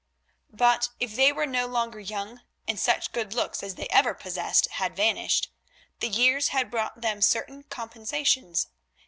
But if they were no longer young, and such good looks as they ever possessed had vanished, the years had brought them certain compensations.